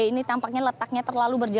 ini tampaknya letaknya terlalu berjalan